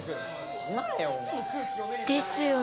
ですよ